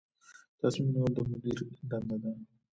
تصمیم نیول د مدیر دنده ده